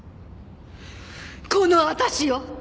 この私よ！